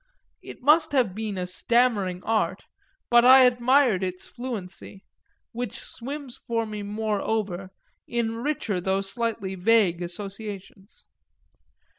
It must have been a stammering art, but I admired its fluency, which swims for me moreover in richer though slightly vague associations.